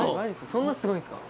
そんなすごいんですか？